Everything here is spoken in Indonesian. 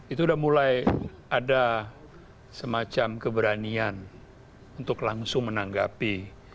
itu sudah mulai ada semacam keberanian untuk langsung menanggapi